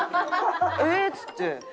「ええー！」っつって。